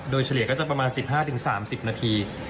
โดยเฉลี่ยก็จะประมาณ๑๕๓๐นาที